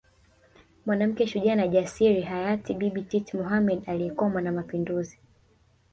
Mwanamke shujaa na jasiri hayati Bibi Titi Mohamed aliyekuwa mwanamapinduzi